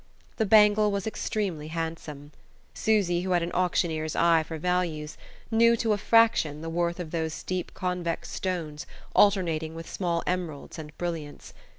The bangle was extremely handsome. Susy, who had an auctioneer's eye for values, knew to a fraction the worth of those deep convex stones alternating with small emeralds and brilliants.